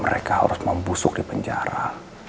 mereka harus membusuk di penjara